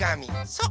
そう！